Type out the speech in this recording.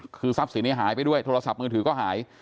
คือทรัพย์สินนี้หายไปด้วยโทรศัพท์มือถือก็หาย